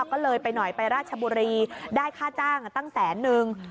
ก็เลยไปหน่อยไปราชบุรีได้ค่าจ้างตั้งแสนนึง